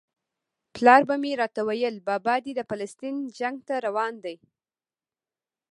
پلار به مې راته ویل بابا دې د فلسطین جنګ ته روان و.